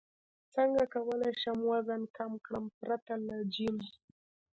څنګه کولی شم وزن کم کړم پرته له جیم